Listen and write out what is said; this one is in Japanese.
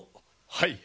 はい！